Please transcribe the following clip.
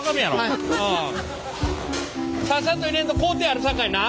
さっさと入れんと工程あるさかいな。